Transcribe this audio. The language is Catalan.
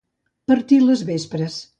Partir les vespres.